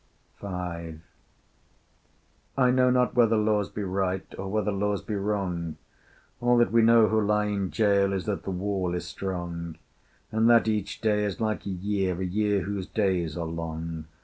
V. I know not whether Laws be right, Or whether Laws be wrong; All that we know who lie in gaol Is that the wall is strong; And that each day is like a year, A year whose days are long.